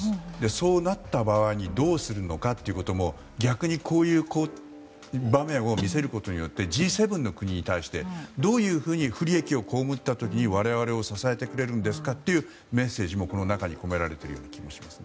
そうなった場合にどうするのかも逆に、こういう場面を見せることによってＧ７の国に対してどういうふうに不利益を被った時に我々を支えてくれるんですかというメッセージも込められている気もします。